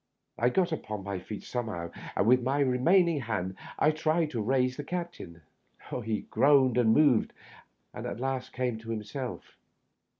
I got upon my feet somehow, and with my remain ing hand I tried to raise the captain. He groaned and moved, and at last came to himself.